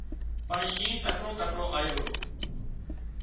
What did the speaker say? پڻ شِنهن تڪڙو تڪڙو آيو رو